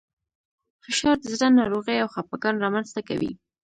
فشار د زړه ناروغۍ او خپګان رامنځ ته کوي.